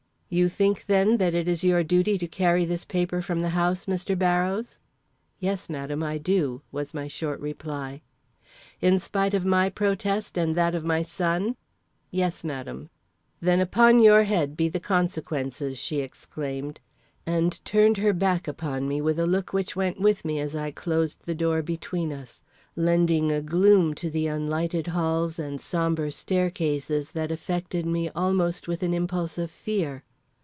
"You think, then, that it is your duty to carry this paper from the house, Mr. Barrows?" "Yes, madam, I do," was my short reply. "In spite of my protest and that of my son?" "Yes, madam." "Then upon your head be the consequences!" she exclaimed, and turned her back upon me with a look which went with me as I closed the door between us; lending a gloom to the unlighted halls and sombre staircases that affected me almost with an impulse of fear.